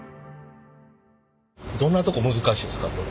どんなとこ難しいですか？